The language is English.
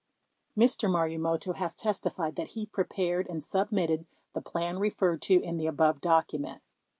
4 * Mr. Marumoto has testified that he prepared and submitted the plan referred to in the above document.